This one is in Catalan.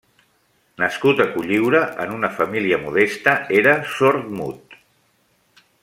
Nascut a Cotlliure en una família modesta, era sord-mut.